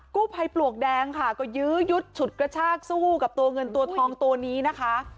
กู้ภัยปลวกแดงค่ะก็ยื้อยุดฉุดกระชากสู้กับตัวเงินตัวทองตัวนี้นะคะ